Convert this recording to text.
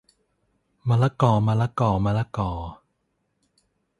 มะละกอมะละกอมะละกอ